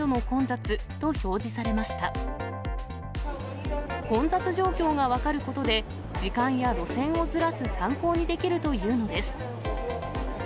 混雑状況が分かることで、時間や路線をずらす参考にできるというのです。